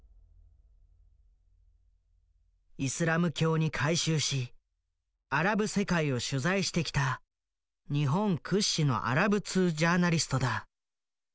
イスラム教に改宗しアラブ世界を取材してきた日本屈指のアラブ通ジャーナリストだ。